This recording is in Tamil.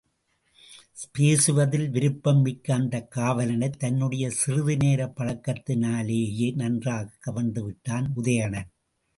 பேசுவதில் விருப்பம்மிக்க அந்தக் காவலனைத் தன்னுடைய சிறிது நேரப் பழக்கத்தினாலேயே நன்றாகக் கவர்ந்து விட்டான் உதயணன்.